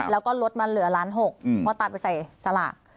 แล้วก็ลดมาเหลือล้านหกพ่อตาไปใส่สลาก